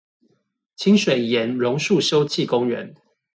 清水巖榕樹休憩公園